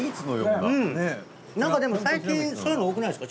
なんかでも最近そういうの多くないですか？